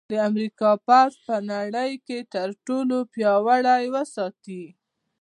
د امریکا پوځ به په نړۍ کې تر ټولو پیاوړی وساتي